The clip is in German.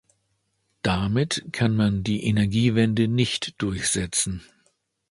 Damit kann man die Energiewende nicht durchsetzen.